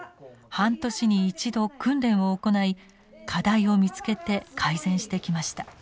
半年に一度訓練を行い課題を見つけて改善してきました。